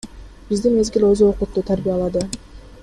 Бизди мезгил өзү окутту, тарбиялады.